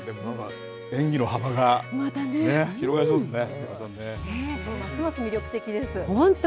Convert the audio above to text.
演技の幅が広がりそうですね。